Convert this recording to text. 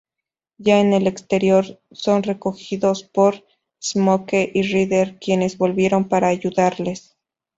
Ya en el exterior son recogidos por Smoke y Ryder, quienes volvieron para ayudarles.